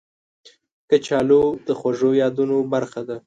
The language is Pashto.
کچالو د خوږو یادونو برخه ده